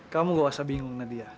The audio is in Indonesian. kamu gak usah bingung nadia